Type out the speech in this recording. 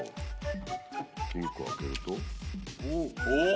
お。